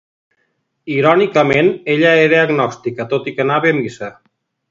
Irònicament, ella era agnòstica, tot i que anava a missa.